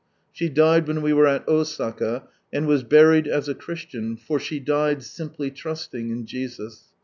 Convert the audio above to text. She died when we were at Osaka, and was buried as a Christian, for she died, simply trusting in Jesus.